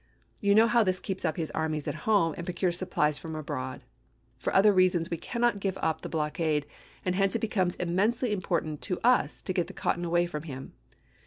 You know how this keeps up his armies at home and procures supplies from abroad. For other reasons we cannot give up the blockade, and hence it becomes immensely important to us to get the cotton away from him.